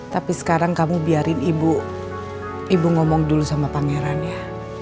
tapi sekarang kamu biarin ibu ngomong dulu sama pangeran ya